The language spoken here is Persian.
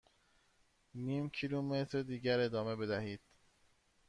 نیم کیلومتر دیگر ادامه بدهید.